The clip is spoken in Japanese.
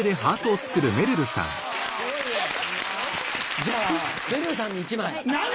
じゃめるるさんに１枚。